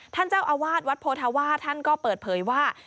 ท่านเจ้าอาวาสวัดโพธาวาท่านก็เปิดเผยว่า